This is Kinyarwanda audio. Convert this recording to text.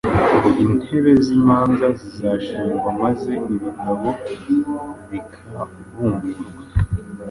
ubwo intebe z’imanza zizashingwa maze ibitabo bikabumburwa.